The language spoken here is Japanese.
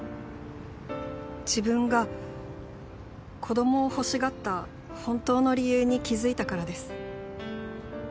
自分が子供を欲しがった本当の理由に気付いたからです。